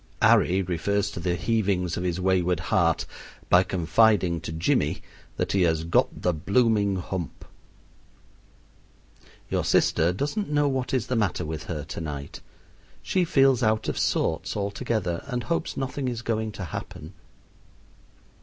'Arry refers to the heavings of his wayward heart by confiding to Jimee that he has "got the blooming hump." Your sister doesn't know what is the matter with her to night. She feels out of sorts altogether and hopes nothing is going to happen.